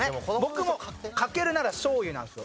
僕もかけるならしょうゆなんですよ。